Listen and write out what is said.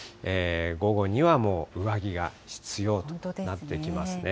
午後にはもう上着が必要となってきますね。